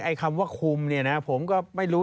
คำว่าคุมเนี่ยนะผมก็ไม่รู้